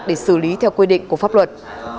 để xử lý theo quy định của pháp luật